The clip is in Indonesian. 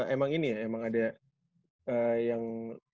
emang ini ya emang ada yang